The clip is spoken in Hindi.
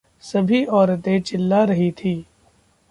सभी औरतें चिल्ला रहीं थी।